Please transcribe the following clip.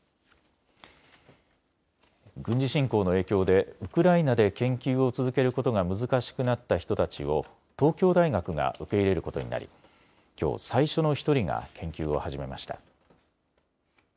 軍事侵攻の影響でウクライナで研究を続けることが難しくなった人たちを東京大学が受け入れることになりきょう、最初の１人が研究を始めました。